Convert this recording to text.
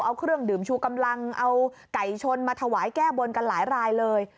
เอาเครื่องดื่มชูกำลังเอาไก่ชนมาถวายแก้บนกันหลายรายเลย